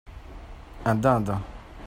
Un dinde.